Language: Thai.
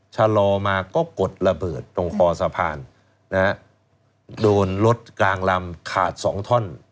ชะลอมาก็กดระเบิดตรงคอสะพานนะฮะโดนรถกลางลำขาดสองท่อน